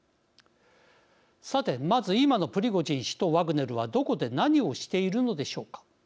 さて、まず今のプリゴジン氏とワグネルは、どこで何をしているのでしょうか。